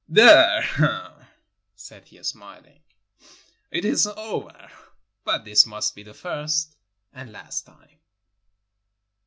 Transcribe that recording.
"There," said he, smiling, "it is over, but this must be the first and last time."